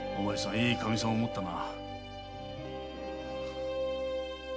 いいカミさんを持ったな。